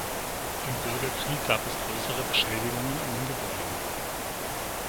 Im Bürgerkrieg gab es größere Beschädigungen an den Gebäuden.